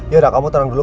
yaudah kamu tenang dulu